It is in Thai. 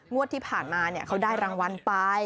งวดที่ผ่านมาเขาได้รางวัลไป